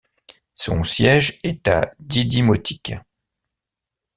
Son siège est à Didymotique.